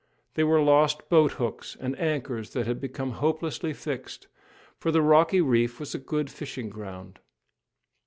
They were lost boat hooks and anchors that had become hopelessly fixed; for the rocky reef was a good fishing ground.